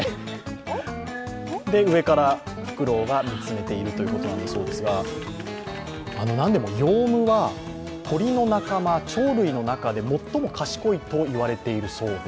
で、上からフクロウが見つめているということなんだそうですがヨウムは鳥類の中で最も賢いと言われているそうで